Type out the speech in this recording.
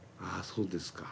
そうですか。